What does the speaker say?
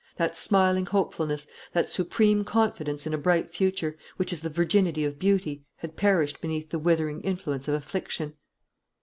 That smiling hopefulness, that supreme confidence in a bright future, which is the virginity of beauty, had perished beneath the withering influence of affliction.